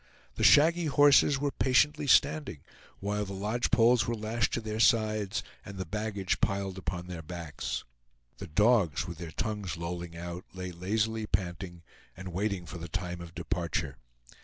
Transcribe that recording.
The shaggy horses were patiently standing while the lodge poles were lashed to their sides, and the baggage piled upon their backs. The dogs, with their tongues lolling out, lay lazily panting, and waiting for the time of departure.